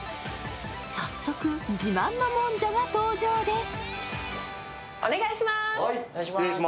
早速、自慢のもんじゃが登場です。